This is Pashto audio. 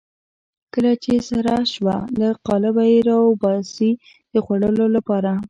کله چې سره شوه له قالبه یې راباسي د خوړلو لپاره.